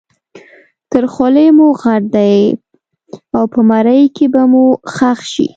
تر خولې مو غټ دی او په مرۍ کې به مو ښخ شي.